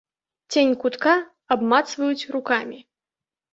Цень кутка абмацваюць рукамі.